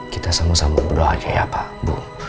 kita sama sama berdoa aja ya pak bu